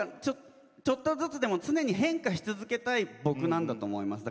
ちょっとずつでも常に変化し続けたい僕なんだと思います。